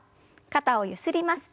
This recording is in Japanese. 肩をゆすります。